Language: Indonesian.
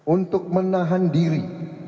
untuk menahan diri